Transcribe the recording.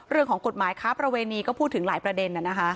เรื่องของกฎหมายค้าประเวณีก็พูดถึงหลายประเด็น